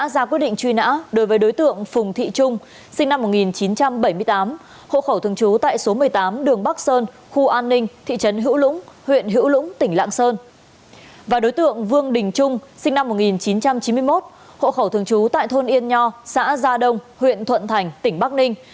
và đối tượng vương đình trung sinh năm một nghìn chín trăm chín mươi một hộ khẩu thường trú tại thôn yên nho xã gia đông huyện thuận thành tỉnh bắc ninh